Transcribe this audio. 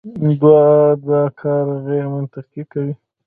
دوی دا کار غیرمنطقي کوي.